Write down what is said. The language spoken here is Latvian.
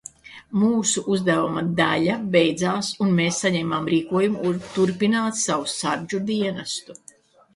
Mūsu uzdevuma daļa beidzās un mēs saņēmām rīkojumu turpināt savu sardžu dienestu.